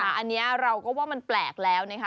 อันนี้เราก็ว่ามันแปลกแล้วนะคะ